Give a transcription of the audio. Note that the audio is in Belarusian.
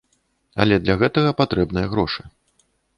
Але для гэтага патрэбныя грошы.